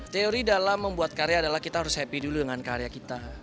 teori dalam membuat karya adalah kita harus happy dulu dengan karya kita